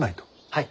はい。